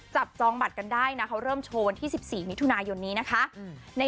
จองบัตรกันได้นะเขาเริ่มโชว์วันที่๑๔มิถุนายนนี้นะคะ